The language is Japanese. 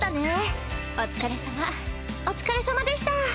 お疲れさまでした。